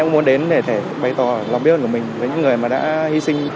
tôi muốn đến để bày tỏ lòng biết ơn của mình với những người mà đã hy sinh